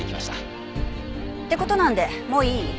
って事なんでもういい？